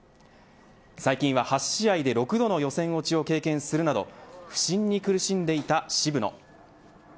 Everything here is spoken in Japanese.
最近は８試合で６度の予選落ちを経験するなど不振に苦しんでいた渋野。